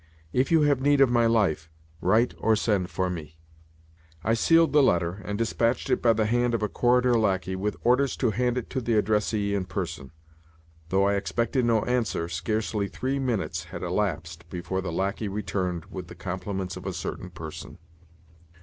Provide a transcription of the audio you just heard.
If you have need of my life, write or send for me." I sealed the letter, and dispatched it by the hand of a corridor lacquey, with orders to hand it to the addressee in person. Though I expected no answer, scarcely three minutes had elapsed before the lacquey returned with "the compliments of a certain person."